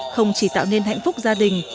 không chỉ tạo nên hạnh phúc gia đình